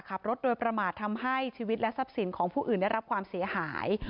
ขับรถโดยประมาททำให้ชีวิตและทรัพย์สินของผู้อื่นได้รับความเสียหาย